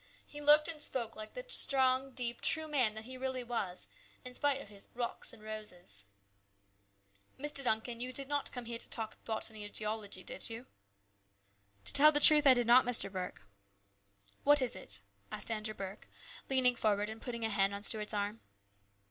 He looked and spoke like the strong, deep, true man that he really was, in spite of his " rocks and roses." 110 PUS BROTHER'S KEEPER. "Mr. Duncan, you did not come here to talk botany or geology, did you ?"" To tell the truth, I did not, Mr. Burke. "What is it?" asked Andrew Burke, leaning forward and putting a hand on Stuart's arm.